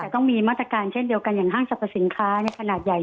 ต้องมีมาตรการเช่นเดียวกันอย่างห้างสรรพสินค้าขนาดใหญ่